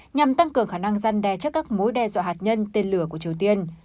nhằm tăng cường khả năng gian đe chất các mối đe dọa hạt nhân tên lửa của triều tiên